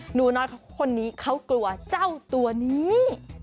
หนูน้อยคนนี้เขากลัวเจ้าตัวนี้